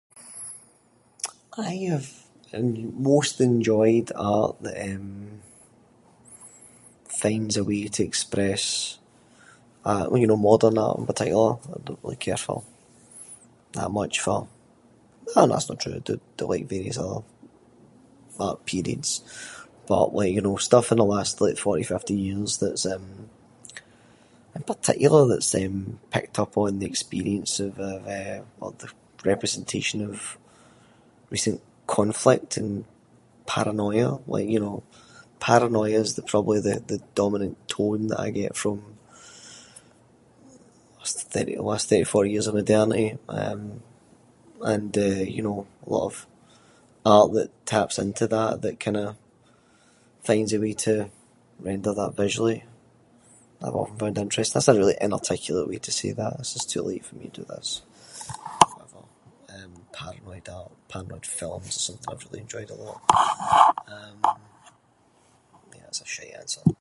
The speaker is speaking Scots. I’ve most enjoyed art that, eh, finds a way to express a- well you know modern art in particular. I don’t really care for, that much for- ah that’s no really true I do- do like for various other art periods. But like you know, stuff in the last like forty, fifty years, that’s eh- in particular that’s picked up on the experiences of eh- or the representation of recent conflict and paranoia. Like, you know, paranoia’s the probably the dominant tone that I get from the la- last thirty, forty years of modernity. Eh, and eh you know, a lot of art that taps into that, that kind of finds a way to render that visually, that I’ve often found interesting. That’s a really inarticulate way to say that. This is too late for me to do this. Whatever, paranoid art, paranoid films is something I’ve really enjoyed a lot. Eh, yeah that’s a shite answer.